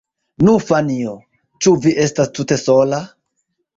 Nu, Fanjo, ĉu vi estas tute sola?